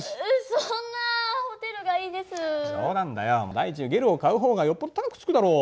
第一ゲルを買うほうがよっぽど高くつくだろう。